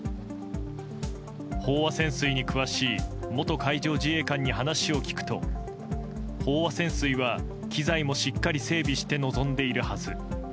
飽和潜水に詳しい元海上自衛官に話を聞くと飽和潜水は機材もしっかり整備して臨んでいるはず。